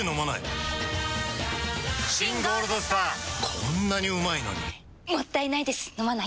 こんなにうまいのにもったいないです、飲まないと。